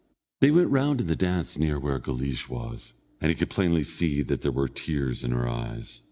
They went round in the dance near where Guleesh was, and he could plainly see that there were tears in her eyes.